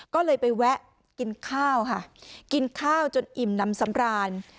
ก็เลยไปแวะกินข้าวค่ะกินข้าวจนอิ่มน้ำสำราญ